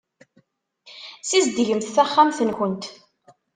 Sizedgemt taxxamt-nkent.